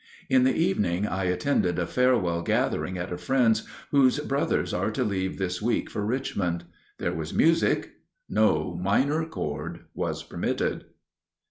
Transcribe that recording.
In the evening I attended a farewell gathering at a friend's whose brothers are to leave this week for Richmond. There was music. No minor chord was permitted.